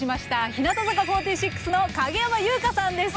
日向坂４６の影山優佳さんです。